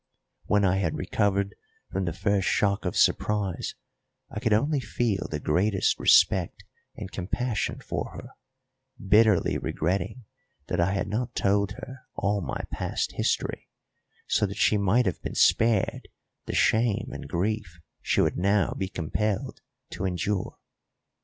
When I had recovered from the first shock of surprise I could only feel the greatest respect and compassion for her, bitterly regretting that I had not told her all my past history, so that she might have been spared the shame and grief she would now be compelled to endure.